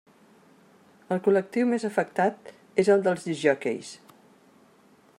El col·lectiu més afectat és el dels discjòqueis.